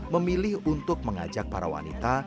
memilih untuk mengajak para wanita